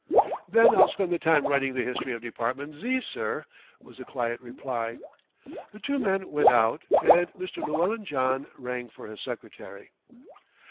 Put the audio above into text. "Then I'll spend the time writing the History of Department Z., sir," was the quiet reply. The two men went out, and Mr. Llewellyn John rang for his secretary.